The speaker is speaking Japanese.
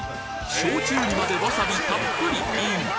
焼酎にまでわさびたっぷりイン！